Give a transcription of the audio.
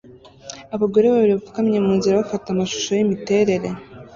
Abagore babiri bapfukamye munzira bafata amashusho yimiterere